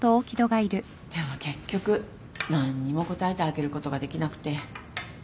でも結局何にも答えてあげることができなくて。